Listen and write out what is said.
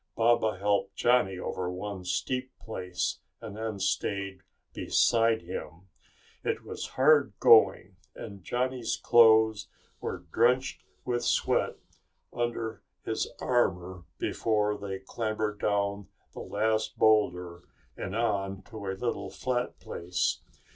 Baba helped Johnny over one steep place and then stayed beside him. It was hard going and Johnny's clothes were drenched with sweat under his armor before they clambered down the last boulder and on to a little flat place.